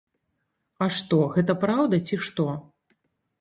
А што, гэта праўда, ці што?